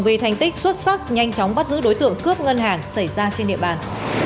vì thành tích xuất sắc nhanh chóng bắt giữ đối tượng cướp ngân hàng xảy ra trên địa bàn